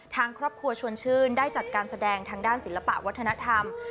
ทางครอบครัวชวนชื่นได้จัดการแสดงทางด้านศิลปะวัฒนธรรม